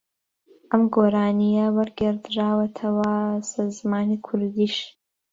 ئەم گۆرانییە وەرگێڕاوەتەوە سەر زمانی کوردیش